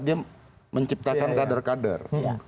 dia menciptakan kader kader